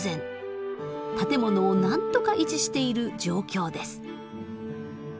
建物をなんとか維持している状況です。